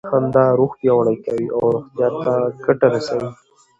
خندا روح پیاوړی کوي او روغتیا ته ګټه رسوي.